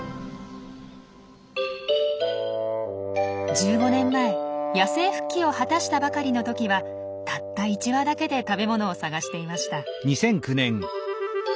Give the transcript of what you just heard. １５年前野生復帰を果たしたばかりの時はたった１羽だけで食べ物を探していました。